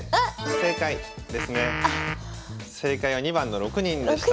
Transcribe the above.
正解は２番の６人でした。